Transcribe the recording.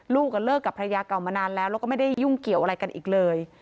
เลิกกับภรรยาเก่ามานานแล้วแล้วก็ไม่ได้ยุ่งเกี่ยวอะไรกันอีกเลย